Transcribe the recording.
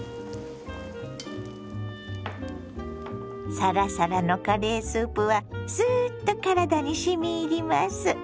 サラサラのカレースープはすっと体にしみ入ります。